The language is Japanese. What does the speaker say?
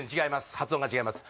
発音が違います